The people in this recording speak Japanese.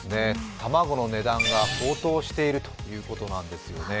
卵の値段が高騰しているということなんですよね。